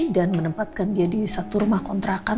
dan menempatkan dia di satu rumah kontrakan